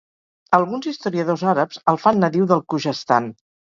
Alguns historiadors àrabs el fan nadiu del Khuzestan.